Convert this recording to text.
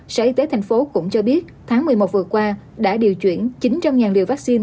sở y tế thành phố cũng cho biết tháng một mươi một vừa qua đã điều chuyển chín trăm linh liều vaccine